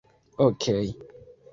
okej